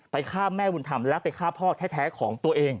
ฆ่าแม่บุญธรรมและไปฆ่าพ่อแท้ของตัวเอง